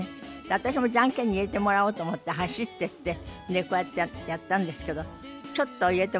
私もジャンケンに入れてもらおうと思って走ってってこうやってやったんですけどちょっと入れてもらえなくて。